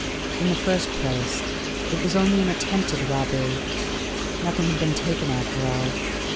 In the first place, it was only an attempted robbery; nothing had been taken, after all.